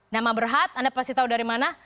nama berhad anda pasti tahu dari mana